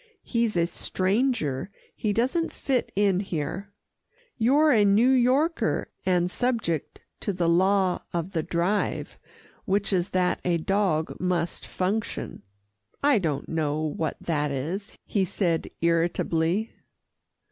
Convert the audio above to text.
He's a stranger, he doesn't fit in here. You're a New Yorker, and subject to the law of the Drive, which is that a dog must function." "I don't know what that is," he said irritably.